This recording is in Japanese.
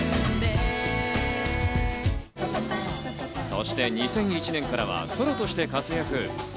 そして２００１年からはソロとして活躍。